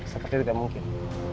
sepertinya tidak mungkin